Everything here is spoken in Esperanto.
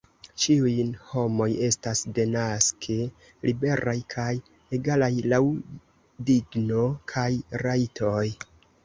Ĉiuj homoj estas denaske liberaj kaj egalaj laŭ digno kaj rajtoj.